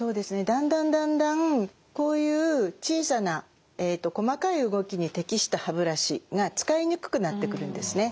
だんだんだんだんこういう小さな細かい動きに適した歯ブラシが使いにくくなってくるんですね。